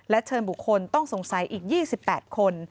เชิญบุคคลต้องสงสัยอีก๒๘คน